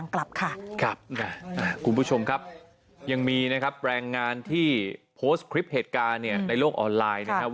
ครับคุณผู้ชมครับยังมีแรงงานที่โพสต์คลิปเหตุการณ์ในโลกออนไลน์นะครับ